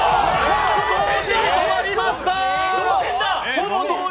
ほぼ同時に止まりました。